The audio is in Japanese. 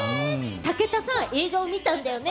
武田さん、映像見たんだよね？